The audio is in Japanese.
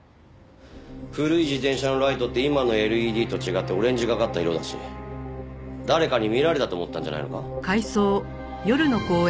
古い自転車のライトって今のＬＥＤと違ってオレンジがかった色だし誰かに見られたと思ったんじゃないのか？